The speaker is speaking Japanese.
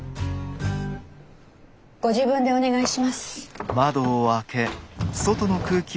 ご自分でお願いします。